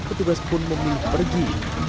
petugas pun memilih pergi